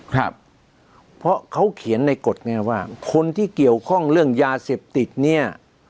ครับเพราะเขาเขียนในกฎไงว่าคนที่เกี่ยวข้องเรื่องยาเสพติดเนี่ย